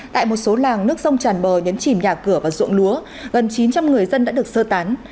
tại một số làng nước sông tràn bờ nhấn chìm nhà cửa và ruộng lúa gần chín trăm linh người dân đã được sơ tán